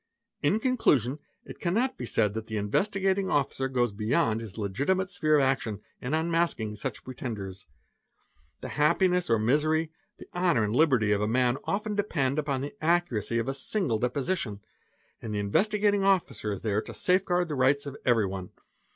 In conclusion, it cannot be said that the Investigating due course they proceeded to make a post mortem examination. Officer goes beyond his legitimate sphere of action in unmasking such pretenders. 'The happiness or misery, the honour and liberty of a man often depend upon the accuracy of a single deposition and the Investi gating Officer is there to safe guard the rights of everyone.